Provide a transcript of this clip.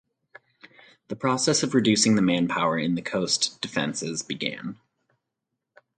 A process of reducing the manpower in the coast defences began.